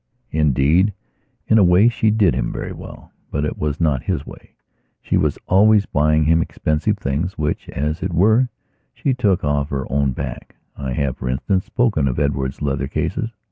Indeed, in a way, she did him very wellbut it was not his way. She was always buying him expensive things which, as it were, she took off her own back. I have, for instance, spoken of Edward's leather cases.